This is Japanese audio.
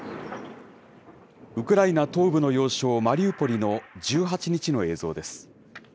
ウクライナ東部の要衝マリウポリの１８日の映像です。